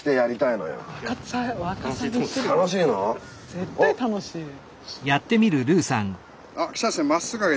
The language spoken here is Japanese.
絶対楽しいこれ。